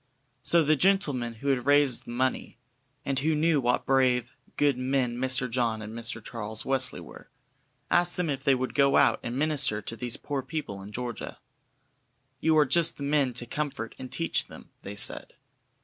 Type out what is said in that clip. So the gentlemen who had raised the money, and who knew what brave, good men Mr. John and Mr. Charles Wesley were, asked them if they would go out and minister to these poor people in Georgia. "You are just the men to comfort and teach them," they said.